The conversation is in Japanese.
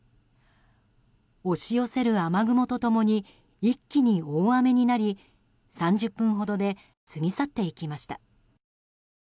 押し寄せる雨雲と共に一気に大雨になり３０分ほどで過ぎ去っていきました。